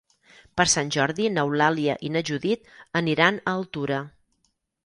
Per Sant Jordi n'Eulàlia i na Judit aniran a Altura.